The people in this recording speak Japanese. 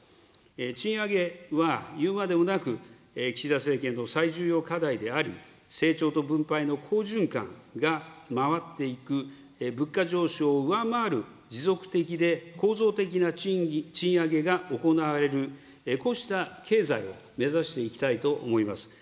賃上げはいうまでもなく、岸田政権の最重要課題であり、成長と分配の好循環が回っていく、物価上昇を上回る持続的で構造的な賃上げが行われる、こうした経済を目指していきたいと思います。